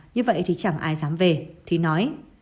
như vậy thì chẳng ai dám về thúy nói